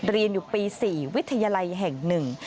เรียนอยู่ปี๔วิทยาลัยแห่งหนึ่ง